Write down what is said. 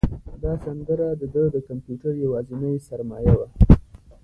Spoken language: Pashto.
دا سندره د ده د کمپیوټر یوازینۍ سرمایه وه.